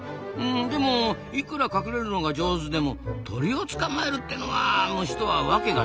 でもいくら隠れるのが上手でも鳥を捕まえるってのは虫とはワケが違いますぞ。